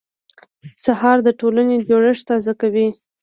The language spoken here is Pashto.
سهار د ټولنې جوړښت تازه کوي.